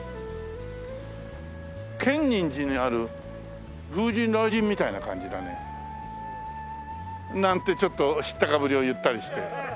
建仁寺にある『風神雷神』みたいな感じだね。なんてちょっと知ったかぶりを言ったりして。